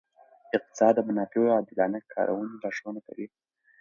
اقتصاد د منابعو عادلانه کارونې لارښوونه کوي.